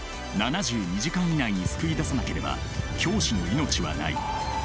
「７２時間以内に救い出さなければ教師の命はない」。